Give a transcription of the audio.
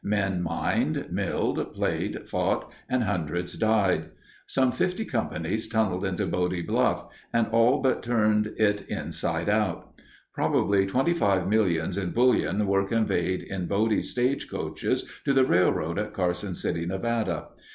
Men mined, milled, played, fought, and hundreds died. Some fifty companies tunneled into Bodie Bluff and all but turned it inside out. Probably twenty five millions in bullion were conveyed in Bodie stage coaches to the railroad at Carson City, Nevada.